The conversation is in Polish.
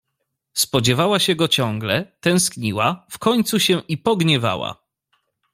"Spodziewała się go ciągle, tęskniła, w końcu się i pogniewała."